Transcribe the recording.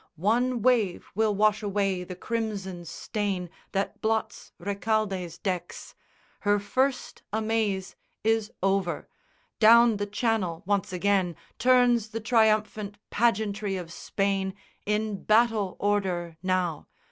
One wave will wash away the crimson stain That blots Recaldé's decks. Her first amaze Is over: down the Channel once again Turns the triumphant pageantry of Spain In battle order, now.